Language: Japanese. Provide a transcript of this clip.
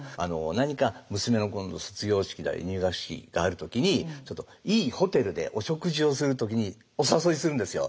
何か娘の卒業式入学式がある時にいいホテルでお食事をする時にお誘いするんですよ。